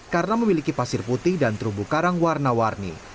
karena memiliki pasir putih dan terubu karang warna warni